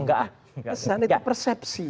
kesan itu persepsi